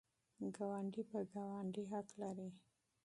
ګاونډی په ګاونډي حق لري.